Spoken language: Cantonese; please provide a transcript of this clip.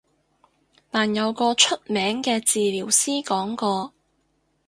但有個出名嘅治療師講過